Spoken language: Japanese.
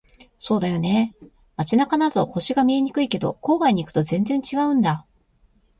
そうだよね。街中だと星が見えにくいけど、郊外に行くと全然違うんだ。